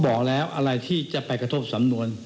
บอกแล้วอะไรที่จะไปกระทบสำนวน